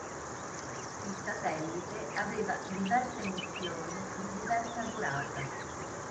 Il satellite aveva diverse missioni di diversa durata.